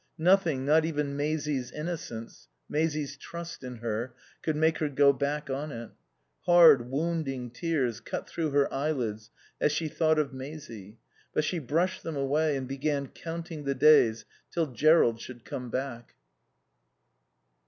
Nothing, not even Maisie's innocence, Maisie's trust in her, could make her go back on it. Hard, wounding tears cut through her eyelids as she thought of Maisie, but she brushed them away and began counting the days till Jerrold should come back.